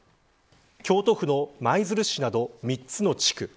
京都府の舞鶴市など３つの地区